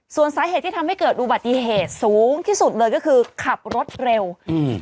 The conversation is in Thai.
ส่วนสาเหตุที่ทำให้เกิดอุบัติเหตุสูงที่สุดเลยก็คือขับรถเร็วอืม